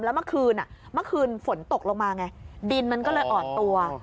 แล้วเมื่อคืนเมื่อคืนฝนตกลงมาไงดินมันก็เลยอ่อนตัว